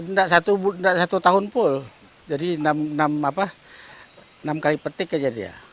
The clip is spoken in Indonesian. tidak satu tahun full jadi enam kali petik aja dia